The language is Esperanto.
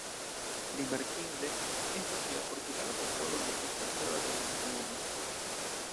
Rimarkinde estas ke la portugala popolo ne estas tro religiema.